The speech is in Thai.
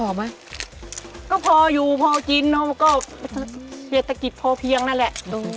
แล้วดูอะไรเนี่ยเดี๋ยวจำ